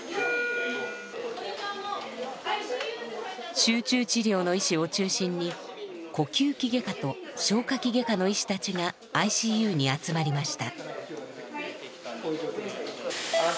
集中治療の医師を中心に呼吸器外科と消化器外科の医師たちがＩＣＵに集まりました。